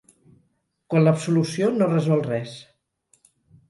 Quan l'absolució no resol res.